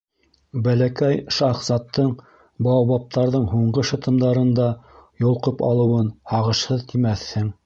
Бәләкәй шаһзаттың баобабтарҙың һуңғы шытымдарын да йолҡоп алыуын һағышһыҙ тимәҫһең.